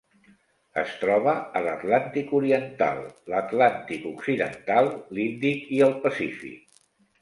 Es troba a l'Atlàntic oriental, l'Atlàntic occidental, l'Índic i el Pacífic.